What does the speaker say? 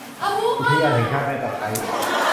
อุทยานแห่งชาติแม่ตะไคร้